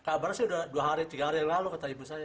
kabar saya sudah dua hari tiga hari yang lalu kata ibu saya